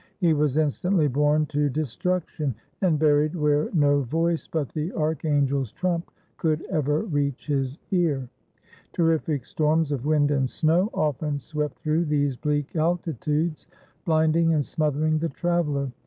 He was instantly borne to destruction, and buried where no voice but the archangel's trump could ever reach his ear. Terrific storms of wind and snow often swept through those bleak altitudes, blinding and smothering the traveler.